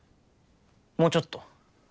もうちょっと。